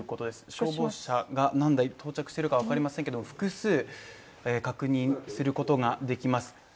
消防車が何台到着しているか分かりませんが複数確認することができます。